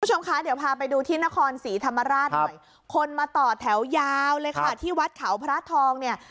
คุณผู้ชมคะเดี๋ยวพาไปดูที่นครศรีธรรมราชหน่อยคนมาต่อแถวยาวเลยค่ะที่วัดเขาพระทองเนี่ย